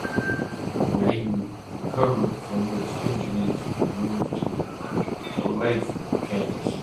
When he recovered from his injuries, he moved to Olathe, Kansas.